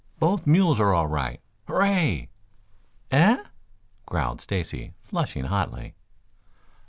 "Both mules are all right. Hooray!" "Eh?" growled Stacy, flushing hotly.